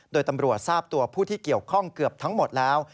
โดยตำรวจทราบตัวผู้ที่เกี่ยวข้องเกือบทั้งหมดแล้ว